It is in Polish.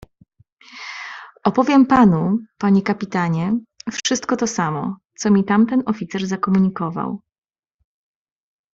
"Opowiem panu, panie kapitanie, wszystko to samo, co mi tamten oficer zakomunikował."